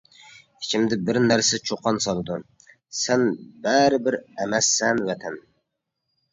ئىچىمدە بىر نەرسە چۇقان سالىدۇ، سەن بەرىبىر ئەمەسسەن ۋەتەن!